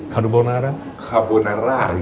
คาร์โบนาร่า